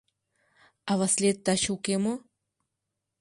— А Васлиет таче уке мо?